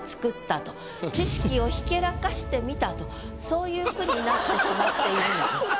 そういう句になってしまっているんです。